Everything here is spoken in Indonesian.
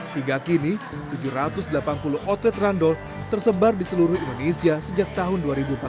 hingga kini tujuh ratus delapan puluh outlet randol tersebar di seluruh indonesia sejak tahun dua ribu empat belas